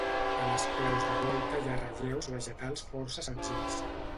A les claus de volta hi ha relleus vegetals força senzills.